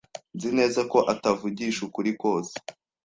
Nzi neza ko atavugisha ukuri kose.